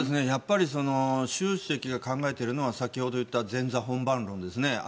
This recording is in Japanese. やっぱり習主席が考えているのは先ほど言った前座・本番論ですね。